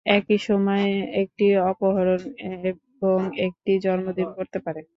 একই সময়ে একটি অপহরণ এবং একটি জন্মদিন করতে পারে!